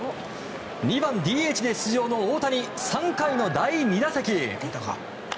２番ＤＨで出場の大谷３回の第２打席。